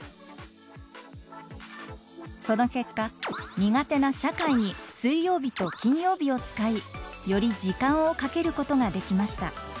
その結果苦手な社会に水曜日と金曜日を使いより時間をかけることができました。